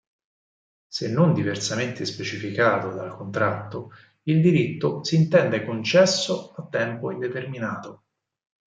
Se non diversamente specificato dal contratto, il diritto si intende concesso a tempo indeterminato.